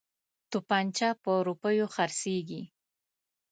توپنچه په روپیو خرڅیږي.